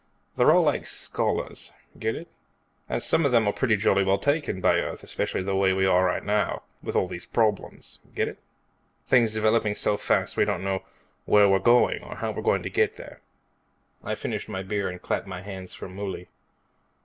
They're all like scholars, get it? And some of them are pretty jolly well taken by Earth, especially the way we are right now, with all the problems, get it? Things developing so fast we don't know where we're going or how we're going to get there." I finished my beer and clapped my hands for Mouley.